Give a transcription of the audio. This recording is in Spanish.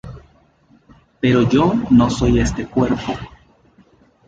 Pero yo no soy este cuerpo.